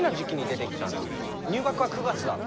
入学は９月だろ？